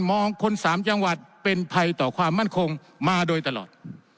มองคนสามจังหวัดเป็นภัยต่อความมั่นคงมาโดยตลอด